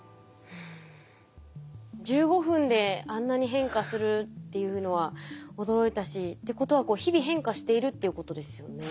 １５分であんなに変化するっていうのは驚いたしってことは日々変化しているっていうことですよね。